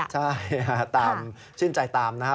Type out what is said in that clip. ใช่ตามชื่นใจตามนะครับ